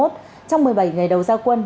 trong một mươi bảy ngày đầu giao quân